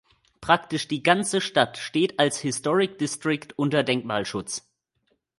Praktisch die ganze Stadt steht als Historic District unter Denkmalschutz.